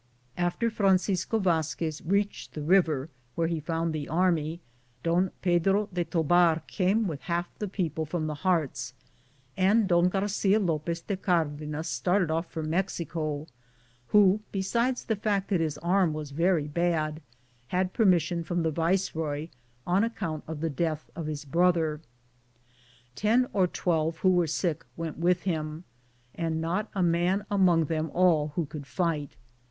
After Francisco Vazquez reached the river, where he found the army, Don Pedro de Tobar came with half the people from the Hearts, and Don Garcia Lopez de Cardenas started off for Mexico, who, besides the fact that his arm was very bad, had permission from the viceroy on account of the death of his brother. Ten or twelve who were sick went with him, and not a man among them all who could fight.